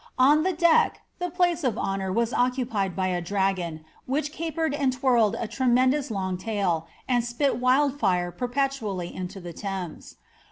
On the deck, the place of honour id by a dragon, which capered and twirled a tremendous long t wild fire perpetually into the Thames.